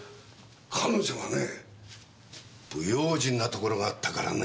彼女はね不用心なところがあったからね。